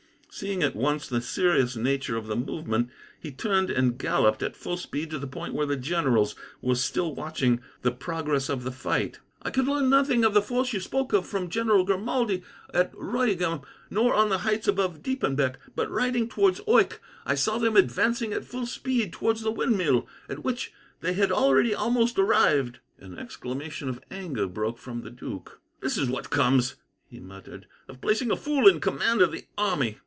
Seeing at once the serious nature of the movement, he turned and galloped, at full speed, to the point where the generals were still watching the progress of the fight. "I could learn nothing of the force you spoke of from General Grimaldi at Royegham, nor on the heights above Diepenbeck; but, riding towards Oycke, I saw them advancing at full speed towards the windmill, at which they had already almost arrived." An exclamation of anger broke from the duke. "This is what comes," he muttered, "of placing a fool in command of the army."